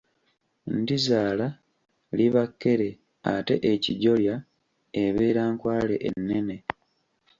Ndizaala liba kkere ate ekijolya ebeera Nkwale ennene.